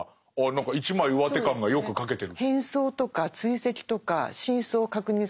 何か一枚うわて感がよく書けてる。